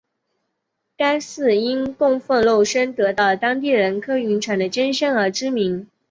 该寺因供奉肉身得道的当地人柯云尘的真身而知名。